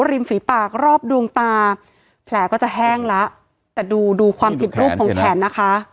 ฝีปากรอบดวงตาแผลก็จะแห้งแล้วแต่ดูดูความผิดรูปของแขนนะคะ